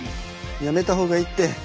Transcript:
やめた方がいいって。